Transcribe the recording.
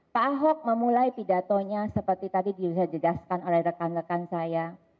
pak ahok memulai pidatonya seperti tadi dijelaskan oleh rekan rekan saya